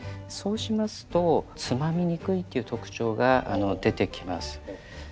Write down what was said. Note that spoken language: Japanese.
そうしますとつまみにくいという特徴が出てきます。